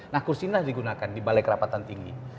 nah kursi ini harus digunakan di balai kerapatan tinggi